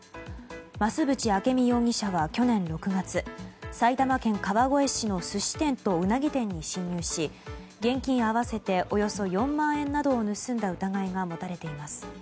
増渕明美容疑者は去年６月埼玉県川越市の寿司店とウナギ店に侵入し現金合わせておよそ４万円などを盗んだ疑いが持たれています。